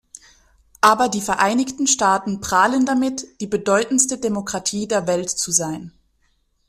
Aber die Vereinigten Staaten prahlen damit, die bedeutendste Demokratie der Welt zu sein.